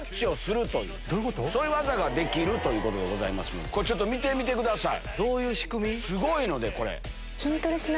そういう技ができるということでちょっと見てみてください。